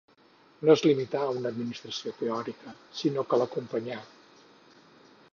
no es limità a una admiració teòrica, sinó que l'acompanyà